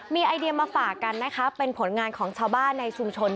มีไอเดียมาฝากกันนะคะเป็นผลงานของชาวบ้านในชุมชน